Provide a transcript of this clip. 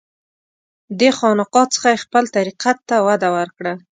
دې خانقاه څخه یې خپل طریقت ته وده ورکړه.